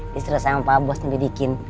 disuruh saya sama pak bos nih didikin